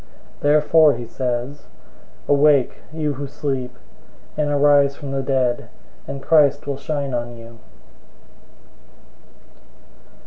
005:014 Therefore he says, "Awake, you who sleep, and arise from the dead, and Christ will shine on you."